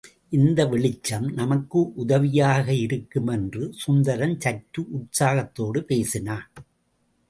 இந்த வெளிச்சம் நமக்கு உதவியாக இருக்கும் என்று சுந்தரம் சற்று உற்சாகத்தோடு பேசினான்.